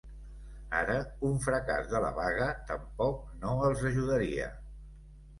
Ara, un fracàs de la vaga tampoc no els ajudaria.